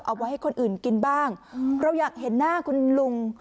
เอาไว้ให้คนอื่นกินบ้างเราอยากเห็นหน้าคุณลุง